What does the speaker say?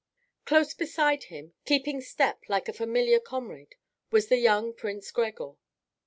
Close beside him, keeping step like a familiar comrade, was the young Prince Gregor.